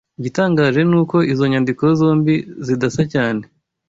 Igitangaje ni uko izo nyandiko zombi zidasa cyane